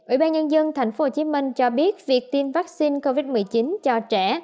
ủy ban nhân dân tp hcm cho biết việc tiêm vaccine covid một mươi chín cho trẻ